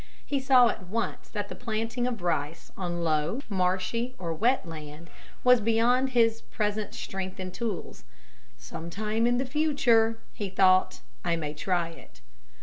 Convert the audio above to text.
He saw at once that the planting of rice on low, marshy or wet land was beyond his present strength and tools. "Some time in the future," he thought, "I may try it."